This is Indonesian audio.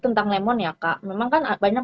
tentang lemon ya kak memang kan banyak